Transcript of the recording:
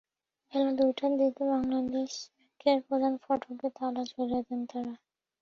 বেলা দুইটার দিকে বাংলাদেশ ব্যাংকের প্রধান ফটকে তালা ঝুলিয়ে দেন তাঁরা।